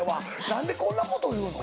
何でこんなこと言うの？